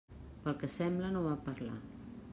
Pel que sembla no va parlar.